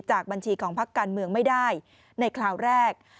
จากบัญชีของพักการเมืองไม่ได้ในคราวแรก